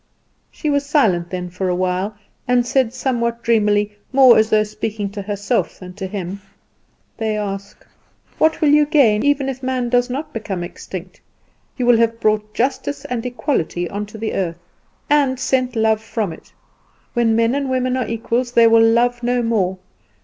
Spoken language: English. She was silent then for a while, and said somewhat dreamily, more as though speaking to herself than to him, "They ask, What will you gain, even if man does not become extinct? you will have brought justice and equality on to the earth, and sent love from it. When men and women are equals they will love no more.